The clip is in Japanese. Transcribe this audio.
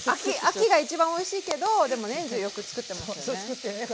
秋が一番おいしいけどでも年中よく作ってますよね。